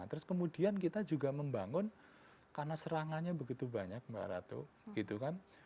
terus kemudian kita juga membangun karena serangannya begitu banyak mbak ratu gitu kan